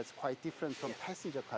dari pemilik kapal dan pemilik kapal